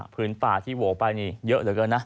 ป่าที่โหวไปนี่เยอะเหลือเกินนะ